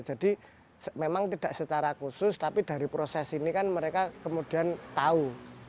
jadi memang tidak secara khusus tapi dari proses ini kan mereka kemudian tahu